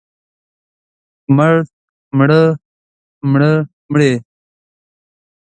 مړ، مړه، مړه، مړې.